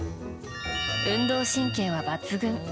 運動神経は抜群。